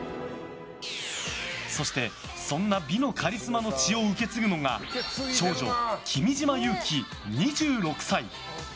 そして、そんな美のカリスマの血を受け継ぐのが長女・君島憂樹、２６歳。